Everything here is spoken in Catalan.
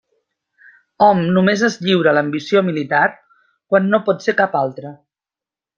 Hom només es lliura a l'ambició militar quan no pot ser cap altra.